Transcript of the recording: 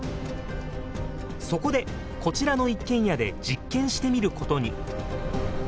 そこでこちらの一軒家で実験してみることに。